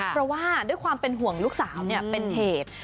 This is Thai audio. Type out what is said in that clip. เพราะว่าด้วยความเป็นห่วงลูกสาวเป็นเหตุ